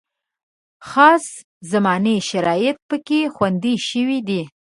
خاص زماني شرایط پکې خوندي شوي دي.